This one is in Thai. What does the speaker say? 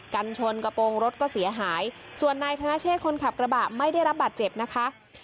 กันชนกระโปรงรถก็เสียหายส่วนนายธนเชษคนขับกระบะไม่ได้รับบาดเจ็บนะคะ